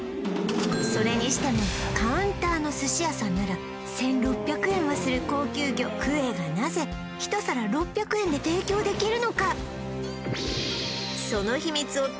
それにしてもカウンターの寿司屋さんなら１６００円はする高級魚クエがなぜ１皿６００円で提供できるのか？